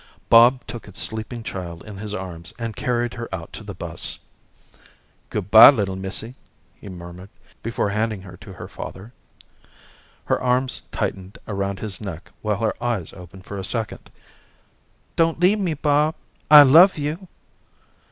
Bob took a sleeping child in his arms, and carried her out to the bus. "Good bye, little missy," he murmured, before handing her to her father. Her arms tightened around his neck while her eyes opened for a second. "Don't leave me, Bob. I love you."